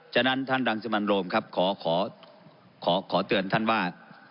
ฉะนั้นท่านรังสิมันโรมครับขอเตือนท่านว่า